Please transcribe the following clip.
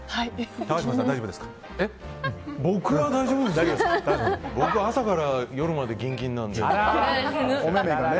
僕は朝から夜までギンギンなんで。